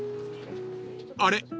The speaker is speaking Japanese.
［あれ？